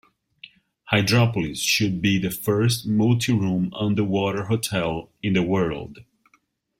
Hydropolis should be the first multi-room underwater hotel in the world.